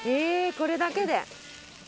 これだけで？